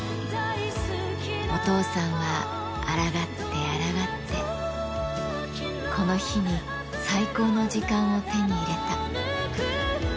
お父さんはあらがってあらがって、この日に最高の時間を手に入れた。